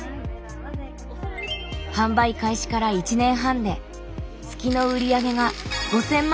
販売開始から１年半で月の売上が５０００万円を突破。